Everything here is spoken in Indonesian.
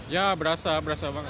ya berasa berasa banget